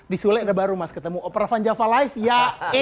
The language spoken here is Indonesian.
di sule udah baru mas ketemu oprah vanjava live ya